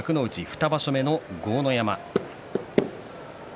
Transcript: ２場所目の豪ノ山。